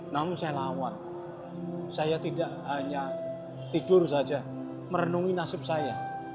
namun saya lawan saya tidak hanya tidur saja merenungi nasib saya